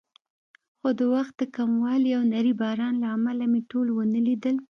خو د وخت د کموالي او نري باران له امله مې ټول ونه لیدل.